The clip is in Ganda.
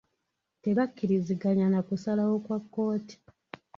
Tebakkiriziganyizza na kusalawo kwa kkooti.